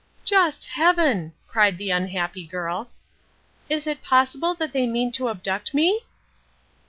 "Just Heaven!" cried the Unhappy Girl. "Is it possible that they mean to abduct me?"